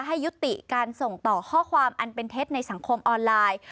ให้ยุติการส่งต่อข้อความอันเป็นเท็จในสังคมออนไลน์